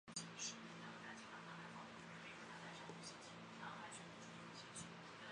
延历寺是位于滋贺县大津市坂本本町的一个寺院。